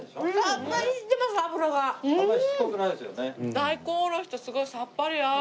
大根おろしとすごいさっぱり合う。